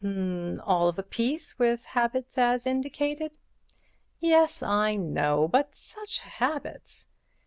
"All of a piece with habits as indicated." "Yes, I know, but such habits!